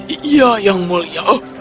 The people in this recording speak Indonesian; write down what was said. iya yang mulia